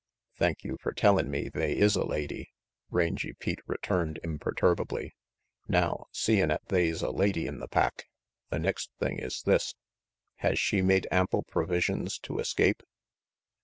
"Thank you for tellin' me they is a lady," Rangy Pete returned imperturbably. "Now, seein' 'at they's a lady in the pack, the next thing is this. Has she made ample provisions to escape?"